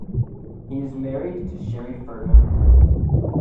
He is married to Sherry Ferdman.